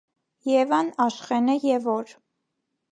Եվան, Աշխենը և օր.